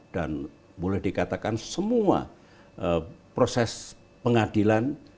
boleh dikatakan semua proses pengadilan